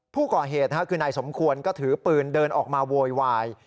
ผู้ก่อเหตุคือนายสมควรก็ถือปืนเดินออกมาโวยวาย